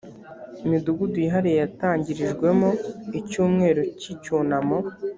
midugudu yihariye yatangirijwemo icyumweru cy icyunamo